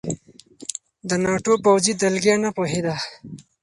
د ناټو پوځي دلګۍ نه پوهېده.